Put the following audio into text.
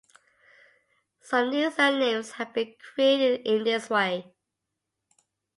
Some new surnames have been created in this way.